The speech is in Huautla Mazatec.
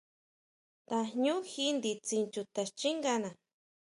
Tajñú ji nditsin chuta xchíngana.